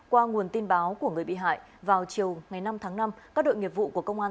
qua nguồn tin báo của người bị hại vào chiều ngày năm tháng năm các đội nghiệp vụ của công an